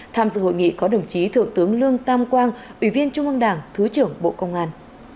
tham dự hội nghị có đồng chí thượng tướng lương tam quang ủy viên trung ương đảng thứ trưởng bộ công an